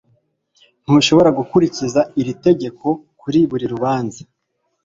Ntushobora gukurikiza iri tegeko kuri buri rubanza.